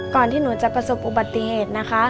ที่หนูจะประสบอุบัติเหตุนะคะ